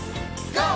ＧＯ！